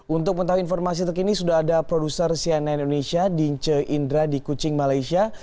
untuk mengetahui informasi terkini sudah ada produser cnn indonesia dince indra di kucing malaysia